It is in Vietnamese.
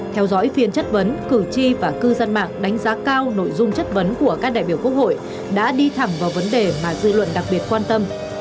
theo dõi phiên chất vấn cử tri và cư dân mạng đánh giá cao nội dung chất vấn của các đại biểu quốc hội đã đi thẳng vào vấn đề mà dư luận đặc biệt quan tâm